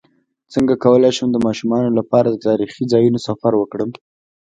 څنګه کولی شم د ماشومانو لپاره د تاریخي ځایونو سفر وکړم